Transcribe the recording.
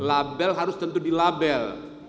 label harus tentu di label